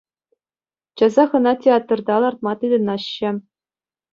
Часах ӑна театрта лартма тытӑнаҫҫӗ.